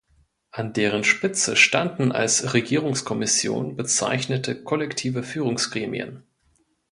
An deren Spitze standen als „Regierungskommission“ bezeichnete kollektive Führungsgremien.